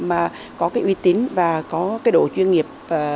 mà có cái uy tín và có cái độ chuyên nghiệp